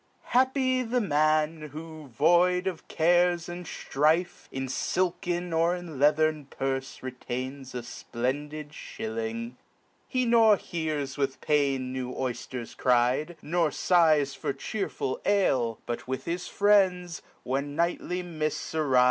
HAPPY the man, who, void of cares and ftrife. In filken, or in leathern, purfe retains A SPLENDIDSHILLING : he norhears with pain New oyfters cry'd, nor fighs for chearful ale ; But with his friends, when nightly mifts arife